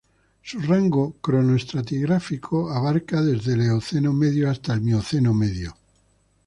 Su rango cronoestratigráfico abarca desde el Eoceno medio hasta la Mioceno medio.